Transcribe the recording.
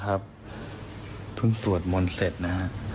ครั้งสวดมนต์เสร็จนะครับ